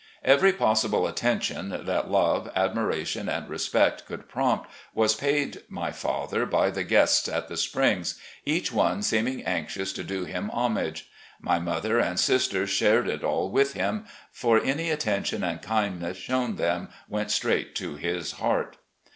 Every possible attention that love, admiration, and respect could prompt was paid my father by the guests at the Springs, each one seeming anxious to do him homage. My mother and sister shared it all with him, for any attention and kindness shown them went straight to his heart.